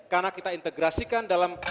karena kita integrasikan dalam